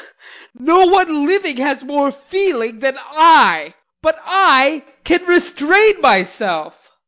No one living has more feeling than I but I can restrain myself.